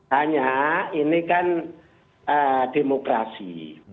hanya ini kan demokrasi